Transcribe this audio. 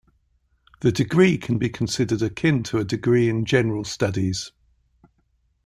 The degree can be considered akin to a degree in general studies.